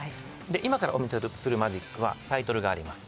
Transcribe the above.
今からお見せするマジックはタイトルがあります。